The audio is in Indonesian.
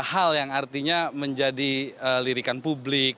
hal yang artinya menjadi lirikan publik